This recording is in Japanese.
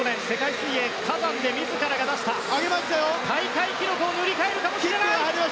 水泳カザンで自らが出した大会記録を塗り替えるかもしれない。